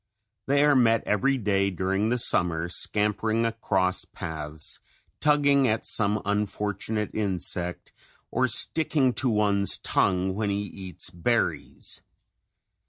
They are met every day during the summer, scampering across paths, tugging at some unfortunate insect, or sticking to one's tongue when he eats berries.